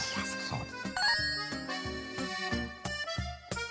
そう。